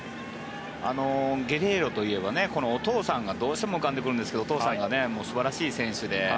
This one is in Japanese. ゲレーロといえばお父さんがどうしても浮かんでくるんですがお父さんが素晴らしい選手で。